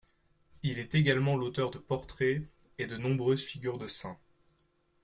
Il est également l'auteur de portraits et de nombreuses figures de saints.